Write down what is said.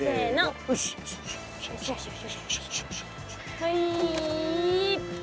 はい。